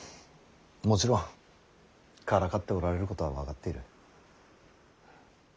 もちろんからかっておられることは分かっている。